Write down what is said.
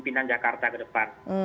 pemimpinan jakarta ke depan